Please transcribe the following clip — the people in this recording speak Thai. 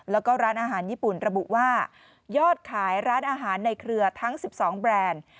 แล้วก็ร้านอาหารญี่ปุ่นระบุว่ายอดขายร้านอาหารในเครือทั้ง๑๒แบรนด์